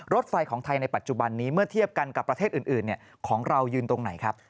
รถไฟของไทยในปัจจุบันนี้เมื่อเทียบกันกับประเทศอื่นของเรายืนตรงไหนครับ